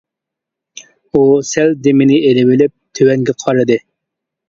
ئۇ سەل دېمىنى ئېلىۋېلىپ تۆۋەنگە قارىدى.